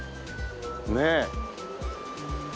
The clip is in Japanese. ねえ。